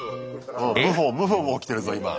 謀反も起きてるぞ今。